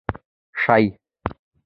شې.